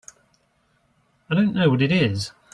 I don't know what it is.